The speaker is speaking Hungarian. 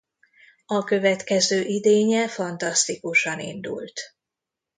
A következő idénye fantasztikusan indult.